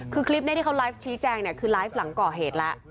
คือคลิปนี้ที่เขาไลฟ์ชี้แจงเนี่ยคือไลฟ์หลังก่อเหตุแล้ว